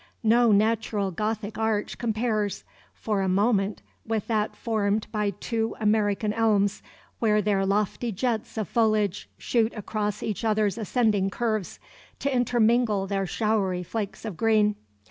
No natural Gothic arch compares, for a moment, with that formed by two American elms, where their lofty jets of foliage shoot across each other's ascending curves, to intermingle their showery flakes of green.